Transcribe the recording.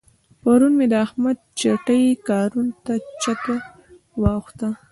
پرون مې د احمد چټي کارو ته چته واوښته.